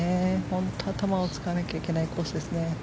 本当に頭を使わないといけないコースですね。